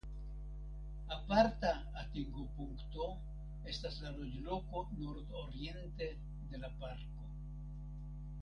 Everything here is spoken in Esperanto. Aparta atingopunkto estas la loĝloko nordoriente de la parko.